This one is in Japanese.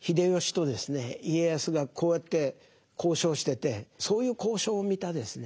家康がこうやって交渉しててそういう交渉を見たですね